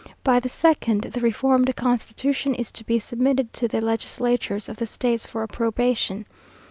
By the second, the reformed constitution is to be submitted to the legislatures of the states for approbation.